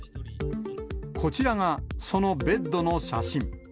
こちらが、そのベッドの写真。